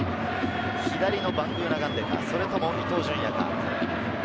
左のバングーナガンデか、それとも伊東純也か。